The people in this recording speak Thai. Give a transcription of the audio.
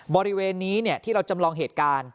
บริเวณนี้ที่เราจำลองเหตุการณ์